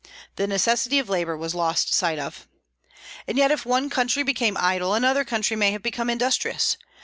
The necessity of labor was lost sight of. And yet if one country became idle, another country may have become industrious.